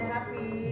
jangan lupa bawa hati